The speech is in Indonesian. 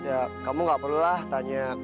ya kamu gak perlulah tanya